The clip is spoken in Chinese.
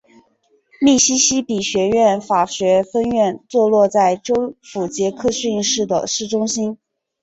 密西西比学院法学分院坐落于州府杰克逊市的市中心。